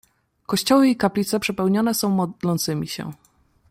"Kościoły i kaplice przepełnione są modlącymi się."